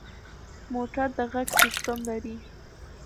موټر د غږ سیسټم لري.